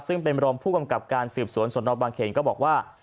ซึ่งเป็นรองผู้กำกับการสืบสวนสนบางเขนก็บอกว่า